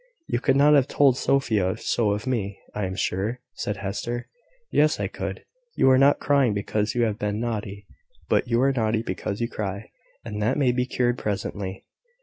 "You could not have told Sophia so of me, I am sure," said Hester. "Yes, I could; you are not crying because you have been naughty, but you are naughty because you cry; and that may be cured presently."